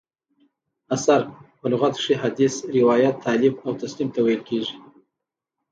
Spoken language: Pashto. اثر: په لغت کښي حدیث، روایت، تالیف او تصنیف ته ویل کیږي.